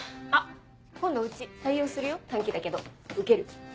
あっ今度うち採用するよ短期だけど受ける？